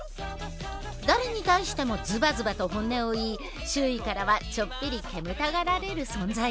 誰に対してもズバズバと本音を言い周囲からはちょっぴり煙たがられる存在。